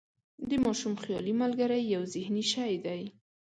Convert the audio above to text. د ماشوم خیالي ملګری یو ذهني شی دی.